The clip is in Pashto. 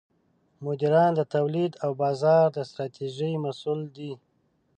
مدیران د تولید او بازار د ستراتیژۍ مسوول دي.